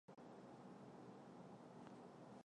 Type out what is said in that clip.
政治委员是执政党在军队的代表。